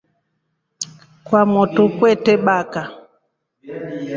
Kwamotu kwetre baka.